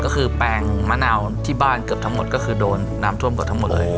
ก็คือแปลงมะนาวที่บ้านเกือบทั้งหมดก็คือโดนน้ำท่วมหมดทั้งหมดเลย